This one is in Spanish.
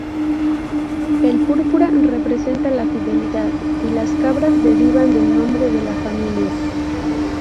El púrpura representa la fidelidad, y las cabras derivan del nombre de la familia.